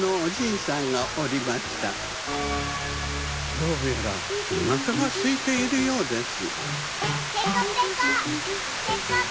どうやらおなかがすいているようです